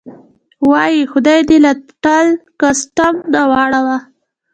وایي: خدای دې له ټل کسټم نه واړوه.